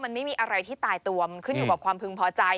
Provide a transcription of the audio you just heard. มันไม่มีอะไรที่ตายตัวมันขึ้นอยู่กับความพึงพอใจ